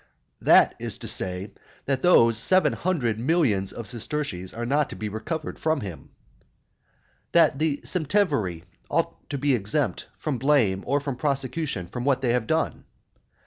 That is to say, that those seven hundred millions of sesterces are not to be recovered from him. "That the septemviri are to be exempt from blame or from prosecution for what they have done."